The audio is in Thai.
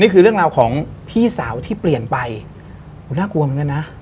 คือเรื่องราวของพี่สาวที่เปลี่ยนไปน่ากลัวเหมือนกันนะ